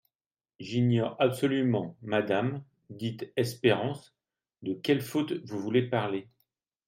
J'ignore absolument, madame, dit Espérance, de quelle faute vous voulez parler.